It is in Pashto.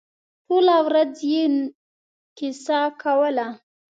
ټوله ورځ یې کیسه کوله.